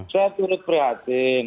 saya turut prihatin